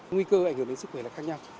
nguy cơ ảnh hưởng đến sức khỏe là khác nhau